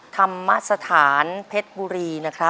ธรรมสถานเพศบุรี